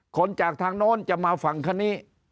คนจากทางโน้นจะมาฝั่งคันนี้